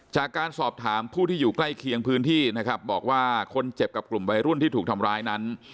จากการสอบถามผู้ที่อยู่ใกล้เคียงพื้นที่นะครับบอกว่าคนเจ็บกับกลุ่มวัยรุ่นที่ถูกทำร้ายนั้น